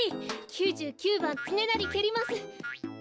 ９９ばんつねなりけります。